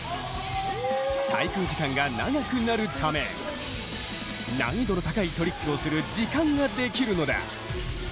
滞空時間が長くなるため難易度の高いトリックをする時間ができるのだ。